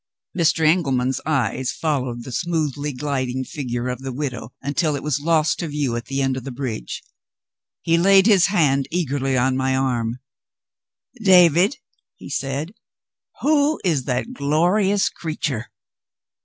Mr. Engelman's eyes followed the smoothly gliding figure of the widow, until it was lost to view at the end of the bridge. He laid his hand eagerly on my arm. "David!" he said, "who is that glorious creature?"